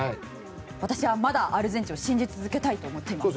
私はまだアルゼンチンを信じ続けたいと思っています。